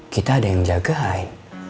kita ada yang jaga hai